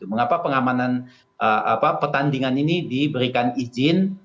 mengapa pengamanan pertandingan ini diberikan izin